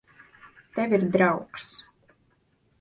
Tev ir draugs.